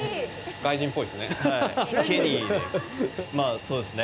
外人っぽいですね。